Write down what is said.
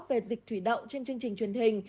về dịch thủy đậu trên chương trình truyền hình